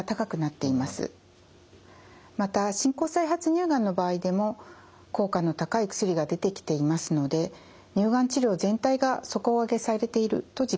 また進行・再発乳がんの場合でも効果の高い薬が出てきていますので乳がん治療全体が底上げされていると実感しています。